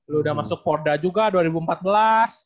lu udah masuk porda juga dua ribu empat belas